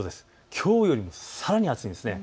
きょうよりもさらに暑いです。